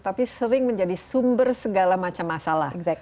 tapi sering menjadi sumber segala macam masalah